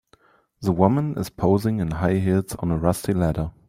The woman is posing in high heels on a rusty ladder